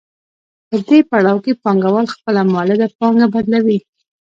په دې پړاو کې پانګوال خپله مولده پانګه بدلوي